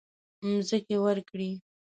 مځکې ورکړې.